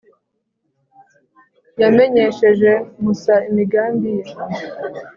yamenyesheje musa imigambi ye